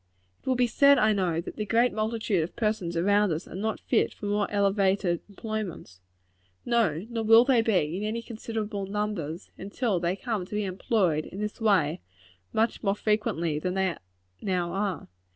It will be said, I know, that the great multitude of persons around us are not fit for more elevated employments. No; nor will they ever be, in any considerable numbers, until they come to be employed in this way much more frequently than they now are.